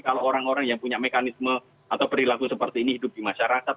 kalau orang orang yang punya mekanisme atau perilaku seperti ini hidup di masyarakat